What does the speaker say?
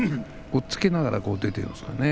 押っつけながら出てますね。